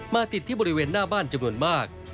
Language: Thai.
ติดที่บริเวณหน้าบ้านจำนวนมาก